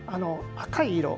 赤い色。